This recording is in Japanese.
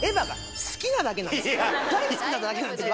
大好きなだけなんです